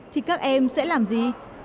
thì các em sẽ làm gì